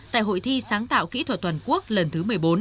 tại hội thi sáng tạo kỹ thuật toàn quốc lần thứ một mươi bốn